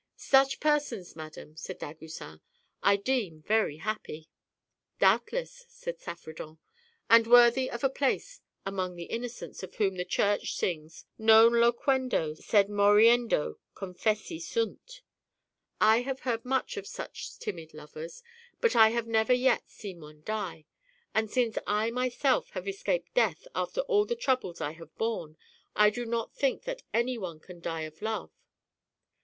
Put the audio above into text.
" Such persons, madam," said Dagoucin, " I deem very happy." " Doubtless," said Saffredent, " and worthy of a place among the innocents of whom the Church sings : 'Non loquendo sed moriendo confessi sunt.' 4 I have heard much of such timid lovers, but I have never yet seen one die. And since I myself have escaped death after all the troubles I have borne, I do not think that any one can die of love."